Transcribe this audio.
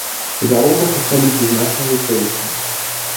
Заробак у сталіцы значна вышэйшы.